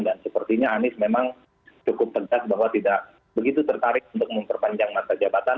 dan sepertinya anies memang cukup pedas bahwa tidak begitu tertarik untuk memperpanjang masa jabatan